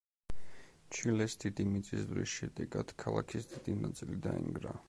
ჩილეს დიდი მიწისძვრის შედეგად ქალაქის დიდი ნაწილი დაინგრა.